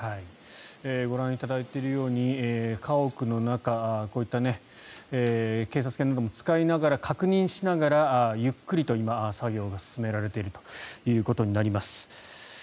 ご覧いただいているように家屋の中こういった警察犬なども使いながら確認しながらゆっくりと今、作業が進められているということになります。